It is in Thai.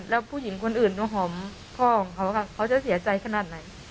แล้วผู้หญิงคนอื่นก็หอมพ่อของเขาเขาจะเสียใจขนาดไหน